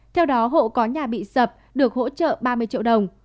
theo đó hộ có nhà bị sập được hỗ trợ ba mươi triệu đồng